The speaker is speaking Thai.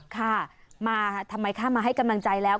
ค่ะมาทำไมคะมาให้กำลังใจแล้ว